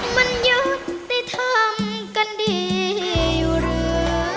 มันยังได้ทำกันดีอยู่หรือ